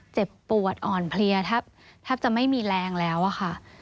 เจ็บปวดอ่อนเพลียแทบจะไม่มีแรงแล้วอะค่ะ